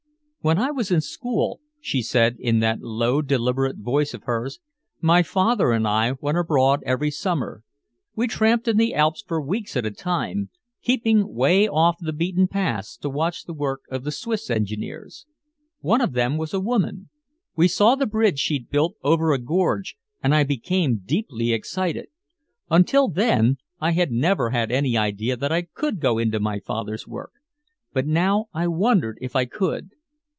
"While I was in school," she said, in that low deliberate voice of hers, "my father and I went abroad every summer. We tramped in the Alps for weeks at a time, keeping way off the beaten paths to watch the work of the Swiss engineers. One of them was a woman. We saw the bridge she'd built over a gorge, and I became deeply excited. Until then I had never had any idea that I could go into my father's work. But now I wondered if I could.